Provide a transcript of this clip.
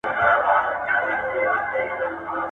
• کار چي بې استا سي، بې معنا سي.